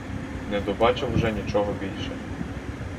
Не добачив уже нічого більше.